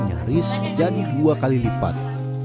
nyaris menjadi dua kali lipat